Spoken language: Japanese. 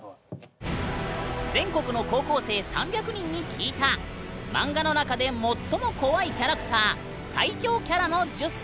全国の高校生３００人に聞いたマンガの中で最も怖いキャラクター最恐キャラの１０選。